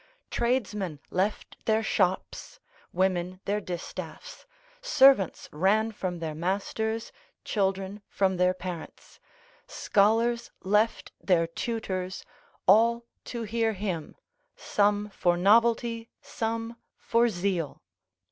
Tradesmen left their shops, women their distaffs, servants ran from their masters, children from their parents, scholars left their tutors, all to hear him, some for novelty, some for zeal.